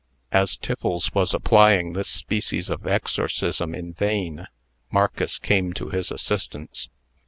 As Tiffles was applying this species of exorcism in vain, Marcus came to his assistance.